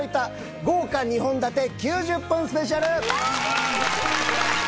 豪華２本立て９０分スペシャル！